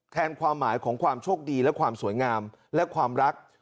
ความหมายของความโชคดีและความสวยงามและความรัก